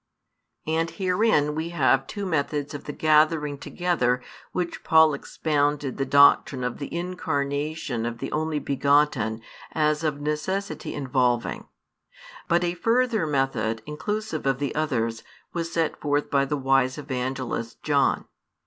And herein we have two methods of the gathering together which Paul expounded the doctrine of the Incarnation of the Only begotten as of necessity involving; but a further method, inclusive of the others, was set forth by the wise Evangelist John.